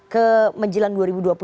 ke menjelang dua ribu dua puluh empat